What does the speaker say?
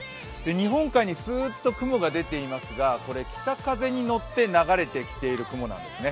日本海にすーっと雲が出ていますが北風に乗って流れてきている雲なんですね。